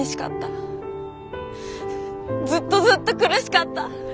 ずっとずっと苦しかった。